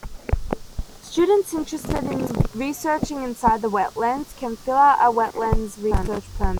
Students interested in researching inside the wetlands can fill out a Wetlands Research Permit.